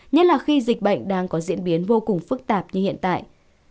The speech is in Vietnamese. nhất là khi dịch bệnh đang có diễn biến vô cùng phức tạp như hiện tại